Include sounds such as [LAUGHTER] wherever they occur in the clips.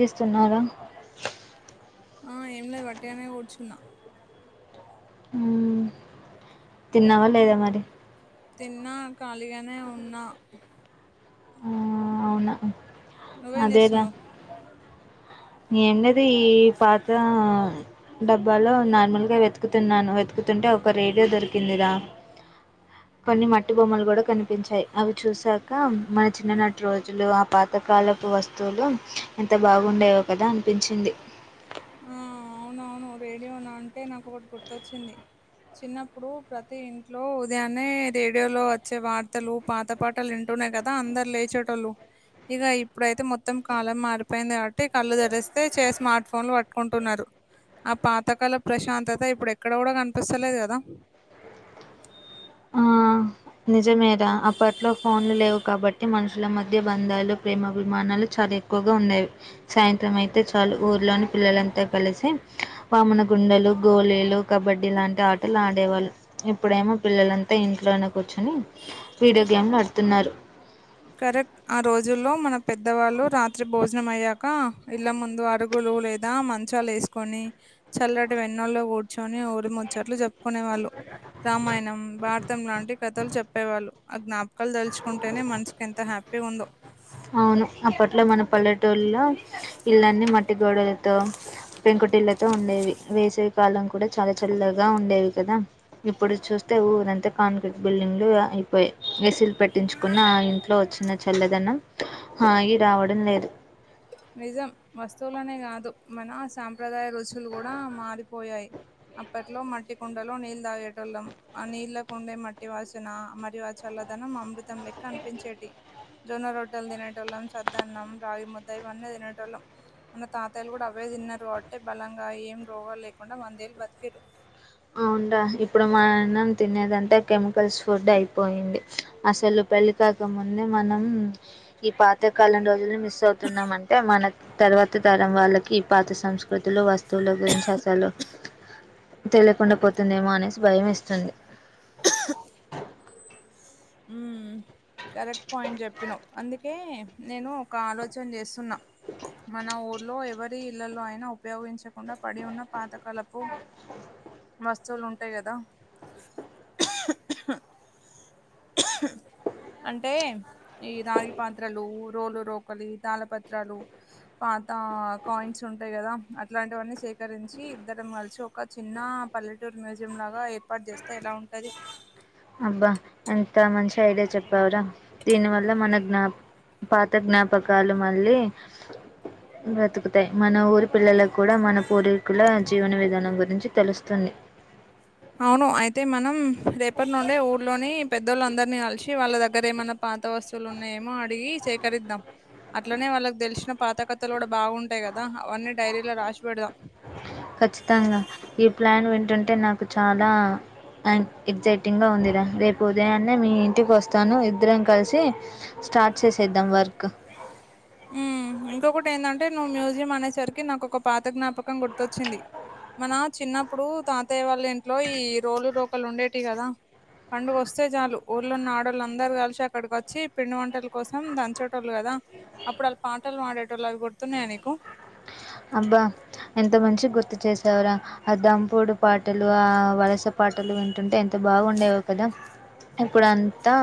దిస్తున్నార ఆ ఏం లేదు వట్టిగానే కూచున్నా హ్మ్ తిన్నావా లేదా మరి తిన్నా ఖాళీగానే ఉన్నా ఆ, అవునా నువ్వేం అదేరా చేస్తున్నావ్ ఏం లేదు ఈ పాతా డబ్బాలో నార్మల్గా వెతుకుతున్నాను వెతుకుతుంటే ఒక రేడియో దొరికిందిరా [INAUDIBLE] కొన్ని మట్టి బొమ్మలు కూడా కనిపించాయి అవి చూసాక మన చిన్ననాటి రోజులు ఆ పాత్ తకాలపు వస్తువులు ఎంత బాగుండేవో కదా అనిపించింది ఆ అవునవును రేడియోను అంటే నాకు ఒకటి గుర్తొచ్చింది చిన్నప్పుడు ప్రతి ఇంట్ ట్లో ఉదయాన్నే రేడియోలో వచ్చే వార్తలు పాత పాటలు వింటునే కదా అందరు లేచెటోళ్ళు ఇగ ఇప్పుడైతే మొత్తం కాలం మారిపోయింది కాబట్టి కళ్ళు తెరిస్తే చే స్మార్ట్ ఫోన్లు పట్ కొంటున్నారు ఆ పాతకాల ప్రశాంతత ఇప్పుడు ఎక్కడ కూడా కనిపిస్తలేదు కదా నిజమే రా అప్పట్లో ఫోన్లు లేవు కాబట్ ట్టి మనుషుల మధ్య బంధాలు ప్రేమభిమానాలు చాలా ఎక్కువగా ఉండేవి సాయంత్రం అయితే చాలు ఊర్లోని పిల్లలంతా కలిసి వామున గుండలు గోలీలు కబడ్డీ లాంటి ఆటలు ఆడేవాళ్ళు ఇప్పుడేమో పిల్లలంతా ఇంట్లోనే కూర్చొని వీడియో గేమ్లు ఆడుతున్నారు కరెక్ట్ ఆ రోజుల్లో మన పెద్దవాళ్ళు రాత్రి భోజనం అయ్యాక ఇళ్ళ ముందు అరుగులు లేద్ ద మంచాలేసుకోని చల్లటి వెన్నోళ్ల్లో కూర్చొని ఊరిముచ్చట్లు చెప్పుకునే వాళ్ళు రామాయణం భారతం లాంటి కథలు చెప్పేవాళ్ళు ఆ జ్ఞాపకాలు తలుచుకుంటేనే మనసు ఎంత హ్యాపీగుందో అవును అప్పట్లో మన పల్లెటూళ్లో ఇల్లన్ని మట్టిగోడలతో పెంకుటిళ్లతో ఉండేవి వేసవి కాలం కూడా చాలా చల్లగా ఉండేవి కదా ఇప్పుడు చూస్తే ఊరంతా కాంక్రీట్ బిల్డింగ్లు అయిపోయి ఎ సీ లు పెట్టించుకున్న ఆ ఇంట్లో వచ్చినచి చల్ల దనం హాయి రావడం లేదు నిజం వస్తువులనే కాదు మన సాంప్రదాయ రుచులు కూడా మారిపోయాయి అప్పట్లో మట్టి కుండలో నీళ్లు తాగేటోళ్ళం ఆ నీళ్ళ కుండే మట్టి వాసనా మరియు అచ్ చల్లదనం అమృతం లెక్క అనిపించేటి జొన్న రొట్టెలు తినేటోలం చద్దనం రావి ము ద్ద ఇవన్నీ తినేటోల్లం మన తాతయ్యలు కూడా అవే తిన్నారు కాబట్టే బలంగా ఏం రోగాలు లేకుండా వందేళ్లు బతికిరు అవున్డ్రా ఇప్పుడు మా అన్నం తినేదంటే కెమికల్స్ ఫుడ్ అయిపోయింది అసలు పెళ్ కాకముందే మనం ఈ పాతకాలం రోజులు మిస్ అవుతున్నామంటే మనకు తర్వాత తరం వాళ్ళకి ఈ పాత సంస్కృతులు వస్తువుల గురించి అసలు తెలియకుండా పోతుందేమో అనేసి భయం ఏస్తుంది హ్మ్మ్ కరెక్ట్ పాయింట్ చెప్పినవ్ అందుకే నేను ఒక ఆలోచన చేస్తున్నా మన ఊర్లో ఎవరి ఈ ఇళ్లలో అయిన ఉపయోగించకుండా పడి ఉన్న పాతకాలపు వస్తువులు ఉంటాయి కదా క్హ్ అంటే ఈ రాగి పాత్రలు రోలు రోకలి తాళ పత్రాలు పాతా కాయిన్స్ ఉంటాయి కదా అట్లాంటివన్నీ సేకరించి ఇద్దరం కలిసి ఒక చిన్నా పల్లెటూరు మ్యూజియం లాగా ఏర్పాటు చేస్తే ఎలా ఉంటది అబ్బా ఎంత మంచి ఐడియా చెప్పావ్రా దీని వల్ల మన జ్ఞా పాత జ్ఞాపకాలు మళ్ళీ బ్రతుకుతాయి మన ఊరి పిల్లలకు కూడా మన పూరి కుల జీవన విధానం గురించి తెలుస్తుంది అవును అయితే మనం రేపటి నుండే ఊర్లోని పెద్దవాళ్ళ అందరినీ కలిసి వాళ్ళ దగ్గర ఏమైనా పాత వస్తువులు ఉన్నాయేమో అడిగి సేకరిద్దాం అట్లనే వాళ్ళకి తెలిసిన పాతకథలు కూడా బాగుంటాయి కదా అవన్నీ డైరీలో రాసి పెడదాం ఖచ్చితంగా ఈ ప్లాన్ వింటుంటే నాకు చాలా అండ్ ఎక్సైటివ్గా ఉందిరా రేపు ఉదయాన్నే మీ ఇంటికి వస్తాను ఇద్దరం కలిసి స్టార్ట్ చేసేద్దాం వర్క్ ఉమ్ ఇంకొకటి ఏంటంటే నువ్వు మ్యూజియం అనేసరికి నాకొ ఒక పాత జ్ఞాపకం గుర్తొచ్చింది మన చిన్నప్పుడు తాతయ్య వాళ్ళ ఇంట్లో ఈ రోలురోకలి ఉండేటివి కదా పండుగ వస్తే చాలు ఊళ్ళో ఉన్న ఆడోళ్ళ అందరు కలిసి అక్కడికి వచ్చి పిండి వంటల కోసం దంచేటోళ్ళు కదా అప్పుడు వాళ్ళ పాటలు మాడేటోలు అవి గుర్తున్నాయా నీకు అబ్బా ఎంత మంచిగా గుర్తు చేసావురా ఆ దంపడు పాటలు ఆ వలస పాటలు వింటుంటే ఎంత బాగుండేవో కదా ఇప్పుడంతా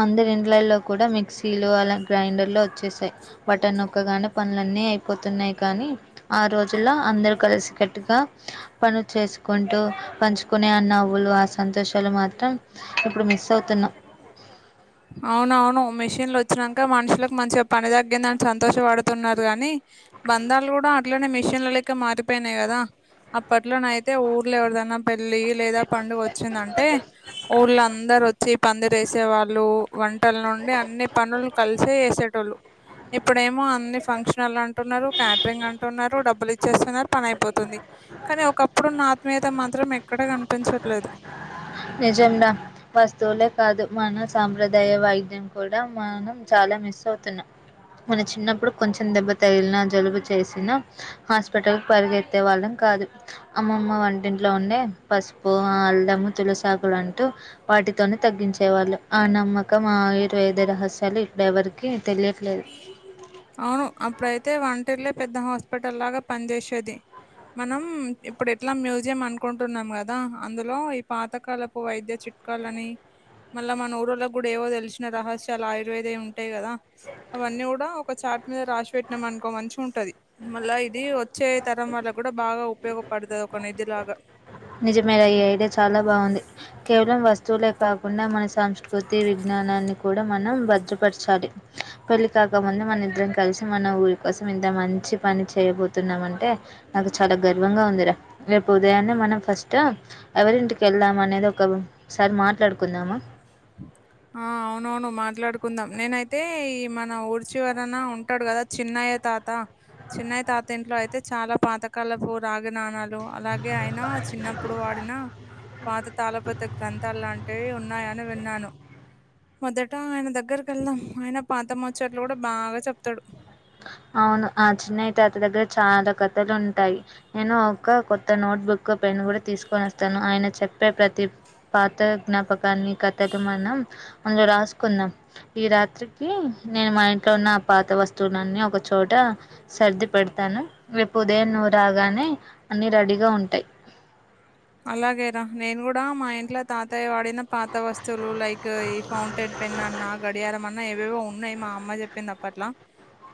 అంద ఇండ్లల్లో కూడా మిక్సీలు అలా గ్రైండర్లు వచ్చేసాయి బటన్ నొక్కగానే పనులన్నీ అయిపోతున్నాయి కానీ ఆ రోజుల్లో అందరు కలిసికట్టుగా పనులు చేసుకుంటూ పంచుకునే ఆ నవ్వులు ఆ సంతోషాలు మాత్రం ఇప్పుడు మిస్ అవుతున్నా అవునవును మిషిన్లు వచ్చినాక మనుషులకు మంచిగా పని తగ్గింద దానికి సంతోషపడుతున్నారు గాని బంధాలు కూడా అట్లనే మిషన్ల లెక్క మారిపోయినాయి కదా అప్పట్లోనైయితే ఊర్లో ఎవరిదైనా పెళ్ళ లేదా పండుగ వచ్చిందంటే ఊళ్ళ అందరు వచ్చి పందిరేసే వాళ్ళు లు వంటల నుండి అన్ని పనులు కలిసే చేసేటోళ్ళు ఇప్పుడేమో అన్ని ఫంక్షనల్ అంటున్నారు క్యాటరింగ్ అంటున్నారు డబ్బులు ఇచ్చేస్తున్నారు పని అయిపోతుంది కానీ ఒకప్పుడున్న ఆత్మీయత మాత్రం ఎక్కడ కనిపించట్లేదు నిజంగా వస్తువులే కాదు మన సాంప్రదాయ వైద్యం కూడా మనం చాలా మిస్ అవుతున్నాం మన చిన్నప్పుడు కొంచెం దెబ్బ తగిలినా జలుబు చేసిన హాస్పిటల్ పరిగెత్తే వాళ్ళం కాదు. అమ్మమ్మ వంటింట్లో ఉండే పసుపు, ఆ అల్లము, తులసాకులు అంటూ వాటితోనే తగ్గించేవాళ్ళు ఆ నమ్మకం మా ఆయుర్వేద రహస్యాలు ఇప్పుడెవరికీ తెలియట్లేదు అవ్ అప్పుడైతే వంటిల్లే పెద్ద హాస్పిటల్ లాగా పనిజేసేది మనం ఇప్పుడు ఎట్ల మ్యూజియం అనుకుంటున్నం గదా అందులో ఈ పాతకాలపు వైద్య చిట్ చిట్కాలని మళ్ళ మన ఊరోళ్ళకి గుడా ఏవో తెలిసిన రహస్యాలు ఆయుర్వేదయే ఉంటాయి గదా అవన్ని గుడా ఒక చార్ట్ మీద రాసి పెట్టినం అనుకో మంచిగుంటది. మళ్ళా ఇదీ వచ్చే తరం వాళ్ళకు గుడ బాగ ఉపయోగపడతది ఒక నిధిలాగ నిజమేరా ఈ ఐడియా చాలా బాగుంది కేవలం వస్తువులే కాకుండా మన సంస్కృతి విజ్ఞానాన్ని కూడ మనం భద్రపర్చాలి పెళ్ళి కాకముందు మన ఇద్దరం కలిసి మన ఊరి కోసం ఇంత మంచి పని చేయబోతున్నామంటే నాకు చాలా గర్వంగ ఉందిర రేపు ఉదయాన్నే మనం ఫస్టూ ఎవరింటికి వెళ్దామనేది ఒక సారి మాట్లాడుకుందామా? [INAUDIBLE] ఆ అవునవును మాట్లాడుకుందాం నేనైతే ఈ మన ఊరి చివరన ఉంటడు గదా చిన్నయ్య తాతా చిన్నయ్య తాత ఇంట్లో అయితే చాలా పాతకాలపు రాగి నాణాలు లు అలాగే ఆయన చిన్నప్పుడు వాడిన పాత తాళపత్ర గ్రంథాలాంటే ఉన్నాయని విన్నాను మొదట ఆయన దగ్గరకు వెళ్దాం ఆయన పాత ముచ్చట్లు కూడా బాగా చెప్తాడు అవును ఆ చిన్నయ్య తాత దగ్గర చాలా కథలు ఉంటాయి నేను ఒక కొత్త నోట్బుక్ పెన్ కూడా తీసుకొని వస్తాను ఆయన చెప్పే ప్రతి పాత జ్ఞాపకాన్ని కథక మనం అందులో రాసుకుందాం ఈ రాత్రికి నేను మా ఇంట్లో ఉన్న ఆ పాత వస్తు వస్తువులన్నీ ఒక చోట సర్ది పెడతాను రేపు ఉదయం నువ్వు రాగానే అన్ని రెడీగా ఉంటాయి అలాగేరా నేను కూడా మా ఇంట్లో తాతయ్య వాడ్ పాత వస్తువులు లైక్ ఈ ఫౌంటైన్ పెన్ అన్నా గడియారం అన్నా ఏవేవో ఉన్ ఉన్నాయి మా అమ్మ చెప్పింది అప్పట్లా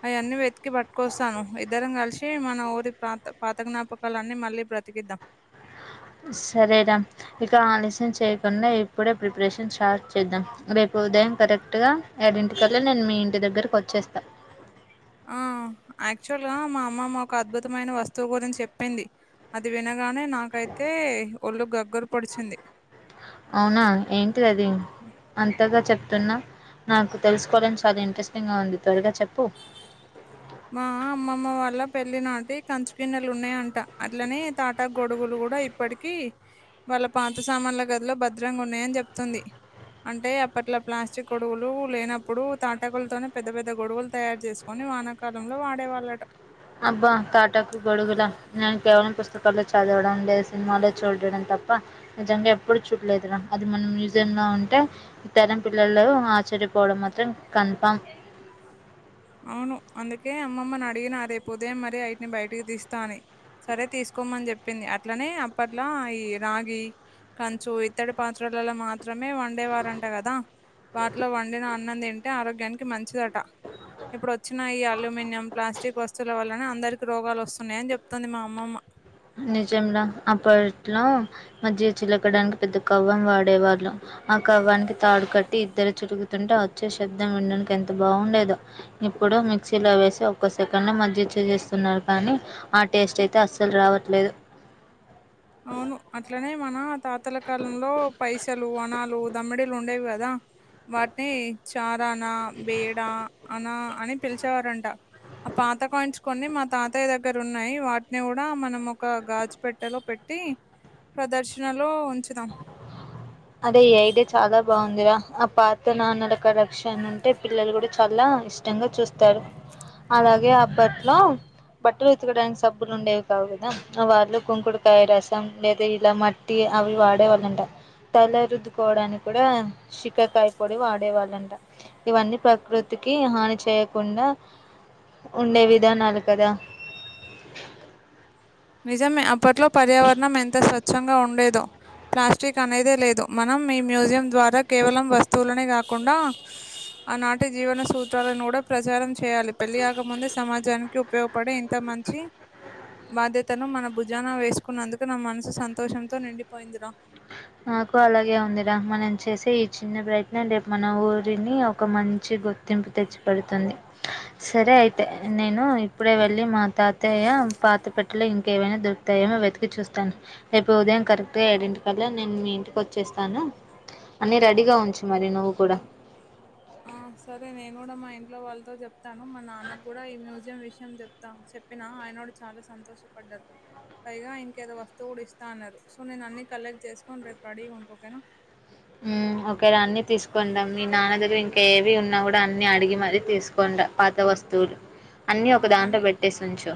అయ్యన్నీ వెతికి పట్టుకొస్తాను ఇద్దరం కలిసి మన ఊరి ప్రత పాత జ్ఞాపక కాల్లాన్నీ మళ్ళీ బ్రకిద్దాం సరే రా ఇక ఆలస్యం చేయకుండా ఇప్పుడే ప్రిపరేషన్ స్టార్ట్ చేద్దాం రేపు ఉదయం కరెక్ట్ గా ఎడింటికి కల్లా నేను మీ ఇంటి దగ్గరకి వచ్చేస్తా ఆ యాక్చువల్ గా మా అమ్మమ్మ ఒక అద్భుతమైన వస్తువు గురించి చెప్పింది అది వినగానే నాకైతే ఒళ్ళు గగ్గరు పొడిచింది అవునా ఏంటిది అది అంతగా చెప్తున్నా నాకు తెలుసుకోవడానికి చాలా ఇంట్రెస్టింగ్గా ఉంది త్వరగా చెప్పు మా అమ్మమ్మ వాళ్ళ పెళ్లినాటి కంచు గిన్నెలు ఉన్నాయంట అట్లనే తాటాకు గొడుగులు కూడా ఇప్పటి కి వాళ్ళ పాత సామాన్ల గదిలో భద్రంగా ఉన్నాయని చెప్తుంది అంటే అప్పట్లో ప్లాస్టిక్ గొడుగులు లేనప్పుడు తాటకులతోనే పెద్ద పెద్ద గొడుగులు తయారు చేసుకొని వాన కాలంలో వాడేవాళ్ళట అబ్బా తాటకు గొడుగుల నేను కేవలం పుస్తకాల్లో చదవడం లేదు సినిమాలో చూడడం తప్ప నిజంగా ఎప్పుడు చూడలేదురా అది మొన్న మ్యూజియంలో ఉంటే ఈ తరం పిల్లలు ఆశ్చర్యపోవడం మాత్రం కన్ఫామ్ అవును అందుకే అమ్మమ్మని అడిగిన రేపు ఉదయం మరి అయటిని బయటికి తీస్తా అని సరే తీసుకోమని చెప్పింది. అట్లనే అప్పట్లో ఈ రాగి కంచు ఇత్తడి పాత్రలలో మాత్రమే వండేవారంట కదా వాటిలో వండిన అన్నము తింటే ఆరోగ్యానికి మంచిదట ఇప్పుడు వచ్చిన ఈ అల్యూమినియం ప్లాస్టిక్ వస్తువుల వల్లనే అందరికి రోగాలు వస్తున్నాయని చెప్తుంది మా అమ్మమ్మ నిజంరా అప్పట్లో మధ్య చిలకడానికి పెద్ద కవ్వం వాడే వాళ్ళు ఆ కవ్వానికి తాడు కట్టి ఇద్దరు చురుకుతుంటే ఆ వచ్చే శబ్దం విండడానికి ఎంత బాగుండేదొ ఇప్పుడు మిక్సీలో వేసి ఒక్క సెకండ్ మజ్జిగ చేస్తున్నారు కానీ ఆ టేస్ట్ అయితే అస్సలు రావట్లేదు అవును అట్లనే మన తాతల కాలంలో పైసలు ఆనాలు దమ్మిడీలు ఉండేవి కదా వాటిని చారానా బేడా అనా అని పిలిచేవారంట పాత కాయిన్స్ కొన్ని మా తాతయ్య దగ్గర ఉన్నాయి. వాటిని కూడా మనం ఒక గాజు పెట్టలో పెట్టి ట్టి ప్రదర్శనలో ఉంచుదాం అదే ఈ ఐడియా చాలా బాగుందిరా ఆ పాత నాన్నల కరక్షన్ ఉంటే పిల్లలు కూడా చాలా ఇష్ట ఇష్టంగా చూస్తారు. అలాగే అప్పట్లో బట్టలు ఉతుకడానికి సబ్బులు ఉండేవి కావు కదా వాళ్ళు కుంకుడుకాయ రసం లేదా ఇలా మట్టి ట్టి అవి వాడే వాళ్ళంట తల రుద్దుకోవడానికి కూడా షిక్కకాయ పొడి వాడే వాళ్ళంట ఇవన్నీ ప్రకృతికి హాని చేయకుండా ఉండే విధానాలు కదా నిజమే అప్పట్లో పర్యావరణం ఎంత స్వచ్ఛంగా ఉండేదో ప్లాస్టిక్ అనేదే లేదు మనం ఈ మ్యూజియం ద్వారా కేవలం వస్తువులనే కాకుండా ఆనాటి జీవన సూత్రాలను కూడా ప్రచారం చేయాలి పెళ్లియాకముందే సమాజానికి ఉ ఉపయోగపడే ఇంత మంచి బాధ్యత తను మన భుజాన వేసుకున్నందుకు నా మనసు సంతోషంతో నిండిపోయిందిరా నాకు అలాగే ఉందిరా మనం చేసే ఈ చిన్న ప్రయత్నం రేపు మన ఊరిని ఒక మంచి గుర్ గుర్తింపు తెచ్చిపేడుతుంది సరే అయితే నేను ఇప్పుడే వెళ్ళి మా తాతయ్య పాత పెట్టలో ఇంకేమైనా దొరు తయో ఏమో వెతికి చూస్తాను రేపు ఉదయం కరెక్ట్ గా ఎడింటి కాళ్ళ నేను మీ ఇంటికి వచ్చేస్తాను అన్ని రెడీగా ఉంచు మరి నువ్వు కూడా ఆ సరే నేను కూడా మా ఇంట్లో వాళ్ళతో చెప్తాను. మా నాన్న కూడా ఈ మ్యూజియం విషయం చెప్త చెప్పినా ఆయనోడు చాలా సంతోషపడ్డారు పైగా ఇంకేదో వస్తువు కూడా ఇస్తా అన్నారు. సో నేను అన్ని కలెక్ట్ చేసుకొని రేపు రెడీ ఉంట ఓకేనా హ్ ఓకే ర అన్ని తీసుకొని రా మీ నాన్న దగ్గర ఇంకా ఏమీ ఉన్నా కూడా అన్ని అడిగి మరీ తీసుకో కుండ పాత వస్తువులు అన్నీ ఆ! ఒక దాంట్లో అన్నీ పెట్టేసి ఉంచు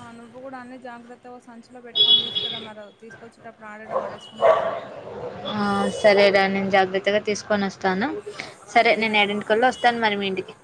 ఆ నువ్వు కూడా అన్ని జాగ్రత్తగా సంచులో పెట్టుకొని తీసుకురా మరీ తీస్ వచ్చేటప్పు ఆడ ఇడ పడేసు కుంట రాకు ఆ సరేరా నేను జాగ్రత్తగా తీసుకొని వస్తాను సరే ఓకే. నేను బాయ్. ఏడెంటి కల్ల వస్తా స్తను మరి మీ ఇంటికి